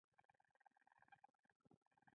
کوږ نیت ښه نیت نه ګڼل کېږي